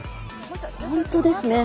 本当ですね。